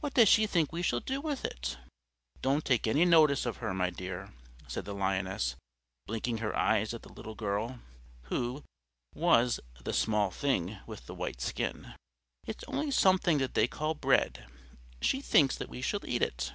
What does she think we shall do with it?" "Don't take any notice of her, my dear." said the Lioness, blinking her eyes at the little girl (who was "the small thing with the white skin"); "it's only something that they call bread she thinks that we shall eat it.